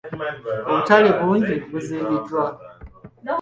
Obutale bungi buzimbiddwa.